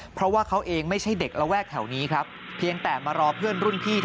เพราะว่าเขาเองไม่ใช่เด็กระแวกแถวนี้ครับเพียงแต่มารอเพื่อนรุ่นพี่